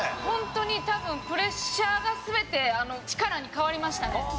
ホントに多分プレッシャーが全て力に変わりましたね。